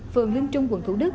phường linh trung quận thủ đức